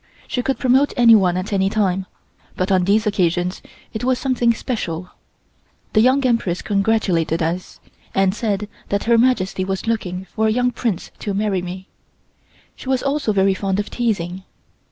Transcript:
She could promote anyone at any time, but on these occasions it was something special. The Young Empress congratulated us, and said that Her Majesty was looking for a young Prince to marry me. She was also very fond of teasing.